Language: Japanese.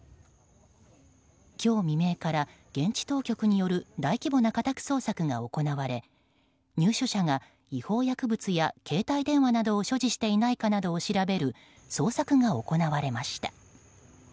今日未明から現地当局による大規模な家宅捜索が行われ入所者が違法薬物や携帯電話などを所持していないかを調べる捜索が行われました。